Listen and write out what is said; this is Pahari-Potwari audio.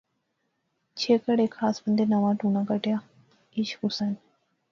چھیکڑ ہیک خاص بندے ناواں ٹونا کھڈیا، عشق، حسن